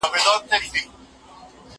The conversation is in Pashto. زه سبزېجات نه تياروم.